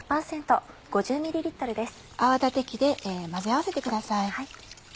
泡立て器で混ぜ合わせてください。